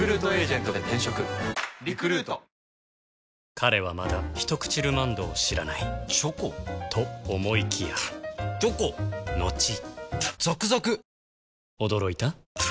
彼はまだ「ひとくちルマンド」を知らないチョコ？と思いきやチョコのちザクザク！